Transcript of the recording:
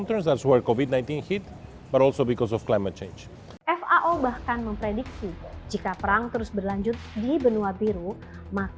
maka permasalahan perang di dunia akan menjadi lebih besar dari perang di dunia